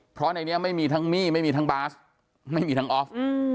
เพราะในนี้ไม่มีทั้งมี่ไม่มีทั้งบาสไม่มีทั้งออฟ